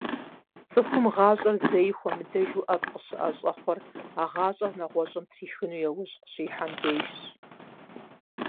ЦӀыхум гъащӀэр зэи хуэмыдэжу ӀэфӀ къыщыӀэщӀэхъуэр, а гъащӀэр нэгъуэщӀым трихыну яужь къыщихьэм дежщ.